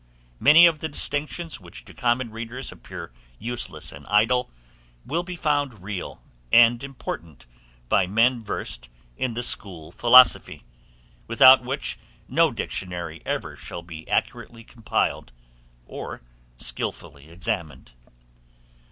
Many of the distinctions which to common readers appear useless and idle, will be found real and important by men versed in the school philosophy, without which no dictionary can ever be accurately compiled, or skillfully examined.